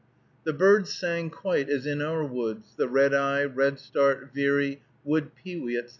The birds sang quite as in our woods, the red eye, redstart, veery, wood pewee, etc.